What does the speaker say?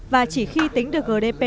và chỉ khi tính được gdp